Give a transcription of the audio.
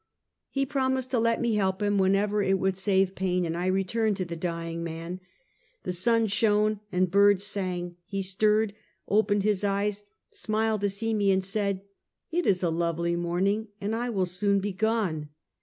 He promised to let me help him whenever it would save pain, and I returned to the dying man. The sun shone and birds sang. He stirred, opened his eyes, smiled to see me, and said. " It is a lovely morning, and I will soon be gone."